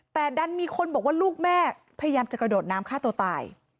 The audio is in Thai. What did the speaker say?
แต่ดันมีคนบอกว่าลูกแม่พยายามจะกระโดดน้ำฆ่าตัวตาย